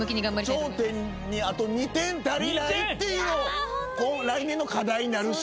頂点にあと２点足りないっていうのを来年の課題になるし。